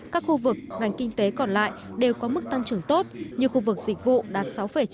các khu vực ngành kinh tế còn lại đều có mức tăng trưởng tốt như khu vực dịch vụ đạt sáu chín